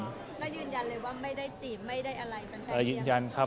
ก็ยืนยันเลยว่าไม่ได้จีบไม่ได้อะไรแฟนยืนยันครับ